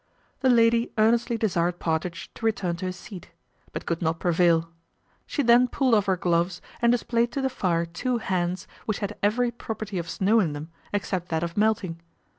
The lady earnestly desired Partridge to return to his seat; but could not prevail. She then pulled off her gloves, and displayed to the fire two hands, which had every property of snow in them, except that of melting.